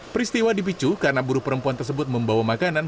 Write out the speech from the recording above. peristiwa dipicu karena buruh perempuan tersebut membawa makanan